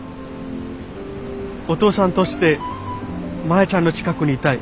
お父さんとしてマヤちゃんの近くにいたい。